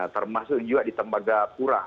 termasuk juga di tembagapura